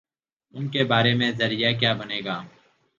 ان کے بارے میں ذریعہ کیا بنے گا؟